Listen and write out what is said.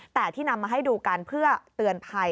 แต่ที่นำมาให้ดูกันเพื่อเตือนภัย